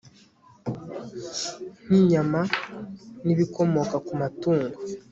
nk'inyama n'ibikomoka ku matungo